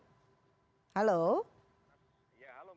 nah hal ini yang menurut saya kontraproduktif